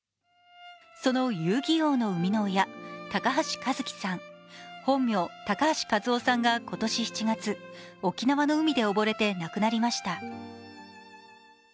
その「遊戯王」の生みの親、高橋和希さん、本名・高橋一雅さんが今年７月、沖縄の海で溺れて亡くなりました。